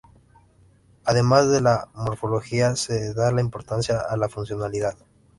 Además de a la morfología se da importancia a la funcionalidad.